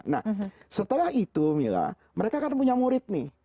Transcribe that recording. nah setelah itu mela mereka akan punya murid nih